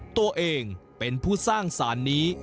ตัวเองเป็นผู้สร้างสารนี้